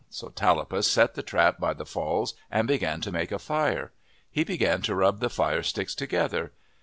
So Tallapus set the trap by the falls and began to make a fire. He began to rub the fire sticks together.